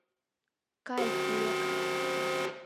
Кай, лек.